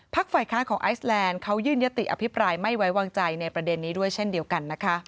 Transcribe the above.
ฝ่ายค้านของไอซแลนด์เขายื่นยติอภิปรายไม่ไว้วางใจในประเด็นนี้ด้วยเช่นเดียวกันนะคะ